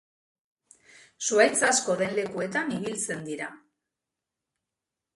Zuhaitz asko den lekuetan ibiltzen dira.